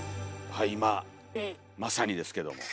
はい今まさにですけども。